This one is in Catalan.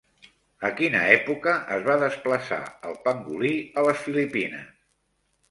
A quina època es va desplaçar el pangolí a les Filipines?